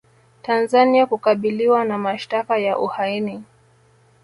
Tanzania kukabiliwa na mashtaka ya uhaini